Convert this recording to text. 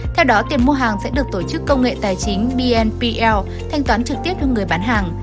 theo đó tiền mua hàng sẽ được tổ chức công nghệ tài chính bnpl thanh toán trực tiếp cho người bán hàng